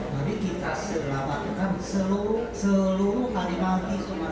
mari kita selamatkan seluruh harimau di sumatera